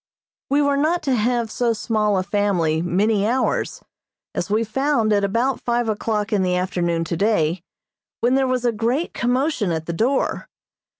We were not to have so small a family many hours, as we found at about five o'clock in the afternoon today, when there was a great commotion at the door.